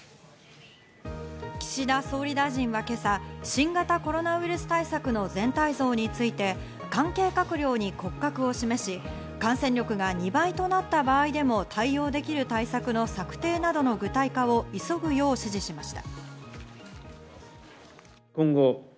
岸田総理大臣は今朝、新型コロナウイルス対策の全体像について関係閣僚に骨格を示し、感染力が２倍となった場合でも対応できる対策の策定などの具体化を急ぐよう指示しました。